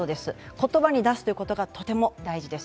言葉に出すということがとても大事です。